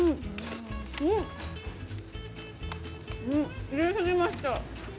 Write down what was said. ん、入れすぎました。